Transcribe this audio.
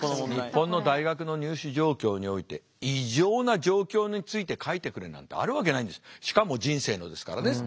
日本の大学の入試状況において異常な状況について書いてくれなんてあるわけないんですしかも人生のですからね。